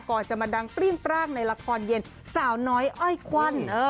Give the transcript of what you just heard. ก่อนจะมาดังปริ้มปรากในละครเย็นสาวน้อยอ้อยควัน